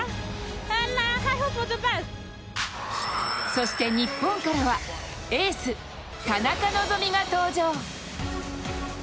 そして日本からはエース・田中希実が登場。